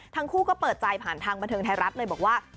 ทั้งคู่ก็เปิดใจผ่านทางบันเทิงไทยรัฐเลยบอกว่า